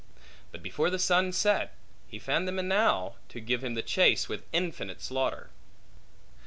But before the sun set, he found them enow to give him the chase with infinite slaughter.